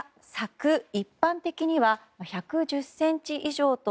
一般的には１１０ｃｍ以上と